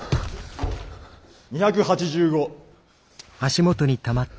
２８５。